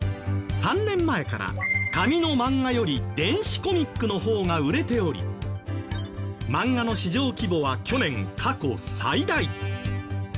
３年前から紙のマンガより電子コミックの方が売れておりマンガの市場規模は去年過去最大。